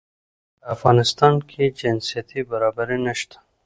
په افغانستان کې جنسيتي برابري نشته